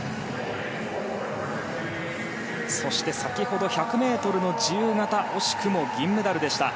そして先ほど１００ｍの自由形惜しくも銀メダルでした。